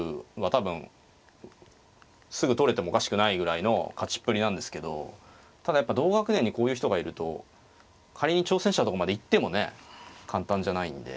多分すぐ取れてもおかしくないぐらいの勝ちっぷりなんですけどただやっぱ同学年にこういう人がいると仮に挑戦者のとこまで行ってもね簡単じゃないんで。